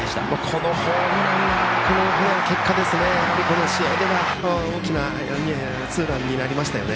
このホームランがこの試合では大きなツーランになりましたよね。